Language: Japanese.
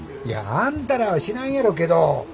いやあんたらは知らんやろけど。